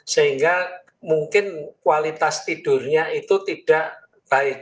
sehingga mungkin kualitas tidurnya itu tidak baik